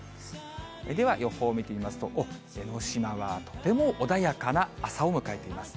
では予報見てみますと、江の島はとても穏やかな朝を迎えています。